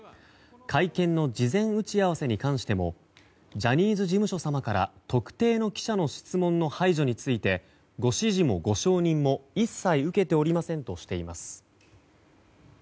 会見の事前打ち合わせに関してもジャニーズ事務所様から特定の記者の質問の排除についてご指示もご承認も一切受けておりませんとしています。